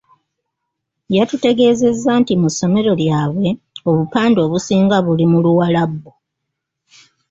Yatutegeeza nti mu ssomero lyabwe obupande obusinga buli mu Luwarabu.